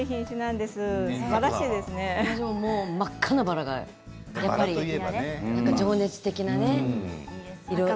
すばらしい真っ赤なバラが情熱的なね。